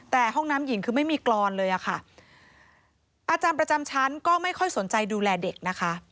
แต่ห้องน้ำหญิงคือไม่มีกรอนเลยอะค่ะอาจารย์ประจำชั้นก็ไม่ค่อยสนใจดูแลเด็กนะคะ